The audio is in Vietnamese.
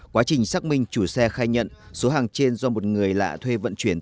quá trình xác minh chủ xe khai nhận số hàng trên do một người lạ thuê vận chuyển